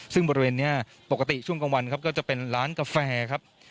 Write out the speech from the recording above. ซึ่งบริเวณนี้ปกติช่วงกลางวันครับก็จะเป็นร้านกาแฟครับ